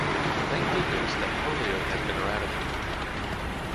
Thank goodness that polio has been eradicated.